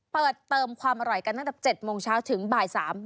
เติมความอร่อยกันตั้งแต่๗โมงเช้าถึงบ่าย๓